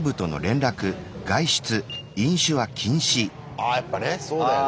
あやっぱねそうだよね。